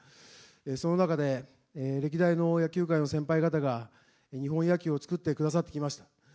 その中で歴代の野球界の先輩方が日本野球を作ってきてくださいました。